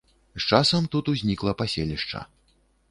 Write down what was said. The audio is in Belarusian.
З часам тут узнікла паселішча.